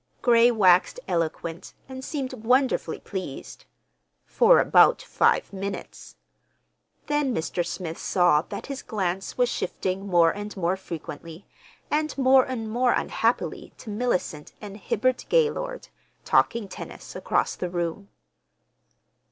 Gray waxed eloquent, and seemed wonderfully pleased—for about five minutes; then Mr. Smith saw that his glance was shifting more and more frequently and more and more unhappily to Mellicent and Hibbard Gaylord, talking tennis across the room.